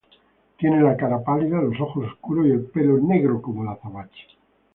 Tiene la cara pálida los ojos oscuros y el pelo negro como el azabache.